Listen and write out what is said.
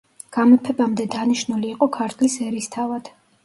გამეფებამდე დანიშნული იყო ქართლის ერისთავად.